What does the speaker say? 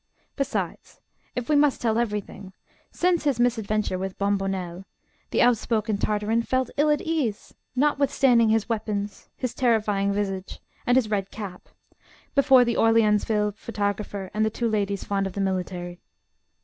Besides, if we must tell everything, since his misadventure with Bombonnel, the outspoken Tartarin felt ill at ease, notwithstanding his weapons, his terrifying visage, and his red cap, before the Orleansville photographer and the two ladies fond of the military.